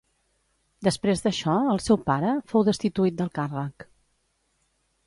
Després d'això, el seu pare, fou destituït del càrrec.